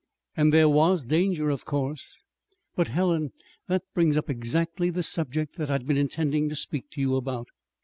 And there was danger, of course! But Helen, that brings up exactly the subject that I'd been intending to speak to you about.